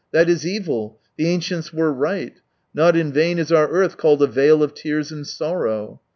"That is evil. The ancients were right. Not in vain is our earth called a vale of tears and sorrow."